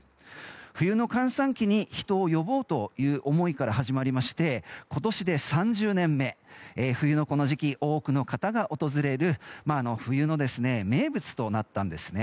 冬の閑散期に人を呼ぼうという思いから始まりまして今年で３０年目冬のこの時期多くの方が訪れる冬の名物となったんです。